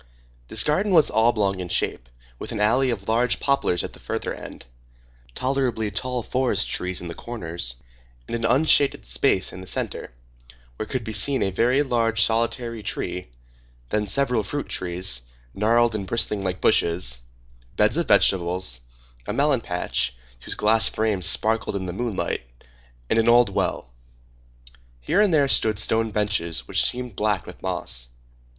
This garden was oblong in shape, with an alley of large poplars at the further end, tolerably tall forest trees in the corners, and an unshaded space in the centre, where could be seen a very large, solitary tree, then several fruit trees, gnarled and bristling like bushes, beds of vegetables, a melon patch, whose glass frames sparkled in the moonlight, and an old well. Here and there stood stone benches which seemed black with moss.